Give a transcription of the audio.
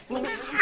mày ít tao nhá